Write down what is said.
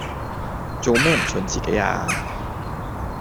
做咩唔信自己呀